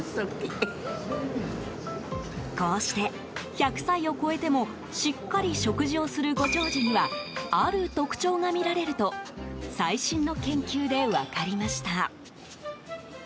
こうして１００歳を超えてもしっかり食事をするご長寿にはある特徴が見られると最新の研究で分かりました。